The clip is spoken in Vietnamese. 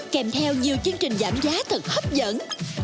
kèm theo nhiều chương trình giảm giá thật hấp dẫn